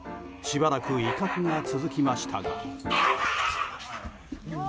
しばらく威嚇が続きましたが。